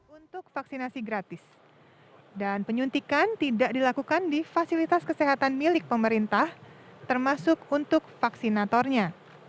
untuk vaksinasi gratis dan penyuntikan tidak dilakukan di fasilitas kesehatan milik pemerintah termasuk untuk vaksinatornya